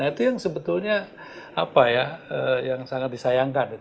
nah itu yang sebetulnya apa ya yang sangat disayangkan